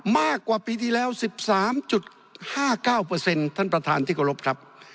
มากกว่าปีที่แล้ว๑๓๕๙เปอร์เซ็นต์ท่านประธานที่โกรภครับ